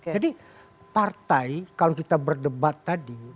jadi partai kalau kita berdebat tadi